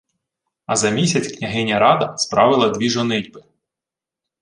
А за місяць княгиня Рада справила дві жонитьби: